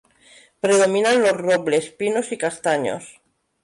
Predominan los robles, pinos y castaños.